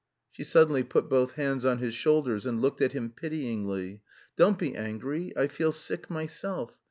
She suddenly put both hands on his shoulders, and looked at him pityingly. "Don't be angry, I feel sick myself.